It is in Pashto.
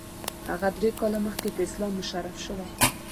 هغه درې کاله مخکې په اسلام مشرف شوی.